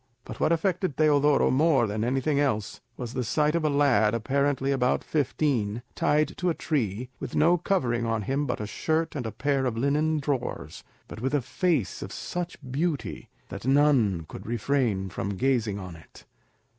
But what affected Teodoro more than anything else was the sight of a lad apparently about fifteen, tied to a tree, with no covering on him but a shirt and a pair of linen drawers, but with a face of such beauty that none could refrain from gazing on it.